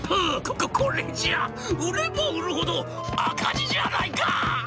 こ、こ、これじゃ売れば売るほど赤字じゃないか！